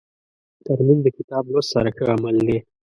ترموز د کتاب لوست سره ښه مل دی.